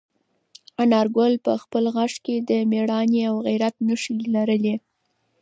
انارګل په خپل غږ کې د میړانې او غیرت نښې لرلې.